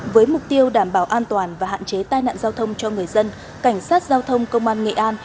với mục tiêu đảm bảo an toàn và hạn chế tai nạn giao thông cho người dân cảnh sát giao thông công an nghệ an